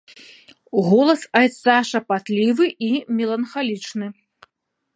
Голас айца шапатлівы і меланхалічны.